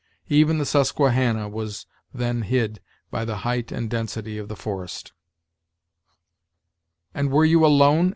Even the Susquehanna was then hid by the height and density of the forest." "And were you alone?"